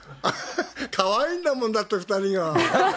かわいいんだもん、だって、２人が。